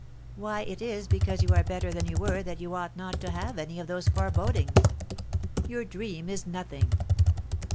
"Why, it is because you are better than you were that you ought not to have any of those forebodings. Your dream is nothing."